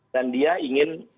dan dia ingin